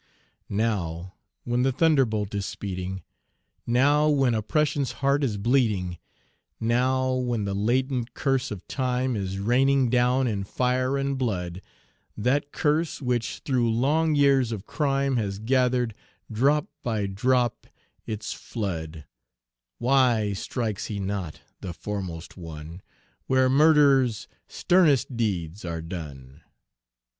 Now, when the thunderbolt is speeding; Now, when oppression's heart is bleeding; Now, when the latent curse of Time Is raining down in fire and blood, That curse, which, through long years of crime, Has gathered, drop by drop, its flood, Why strikes he not, the foremost one, Where murder's sternest deeds are done?